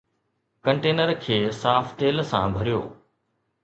container کي صاف تيل سان ڀريو